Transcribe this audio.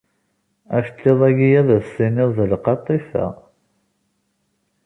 Aceṭṭiḍ-ayi ad s-tiniḍ d qaṭifa.